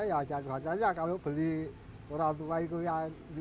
dari mana ya jangan jangan kalau beli orang tua itu ya lihat